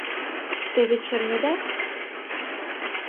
Те вет шарнеда?